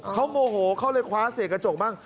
เขาโมโหเขาเลยคว้าเศษกระจกบ้าง